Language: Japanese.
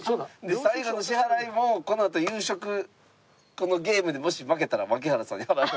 最後の支払いもこのあと夕食このゲームでもし負けたら槙原さんが払う。